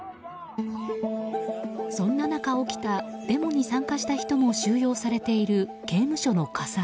そんな中、起きたデモに参加した人も収容されている刑務所の火災。